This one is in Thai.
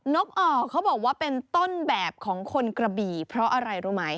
กอ่อเขาบอกว่าเป็นต้นแบบของคนกระบี่เพราะอะไรรู้ไหม